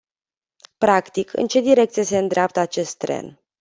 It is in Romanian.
Practic, în ce direcție se îndreaptă acest tren?